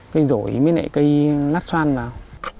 cây rổi với lại cây lát xoan vào